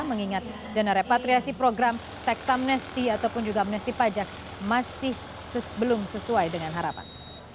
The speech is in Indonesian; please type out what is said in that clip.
mengingat dana repatriasi program tax amnesti ataupun juga amnesti pajak masih belum sesuai dengan harapan